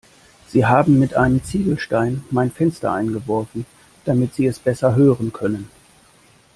Sie haben mit einem Ziegelstein mein Fenster eingeworfen, damit sie es besser hören können.